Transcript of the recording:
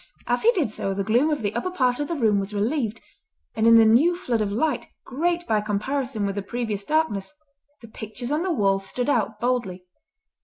As he did so the gloom of the upper part of the room was relieved, and in the new flood of light, great by comparison with the previous darkness, the pictures on the wall stood out boldly.